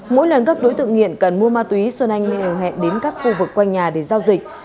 mỗi lần gấp đối tượng nghiện cần mua ma túy xuân anh đều hẹn đến các khu vực quanh nhà để giao dịch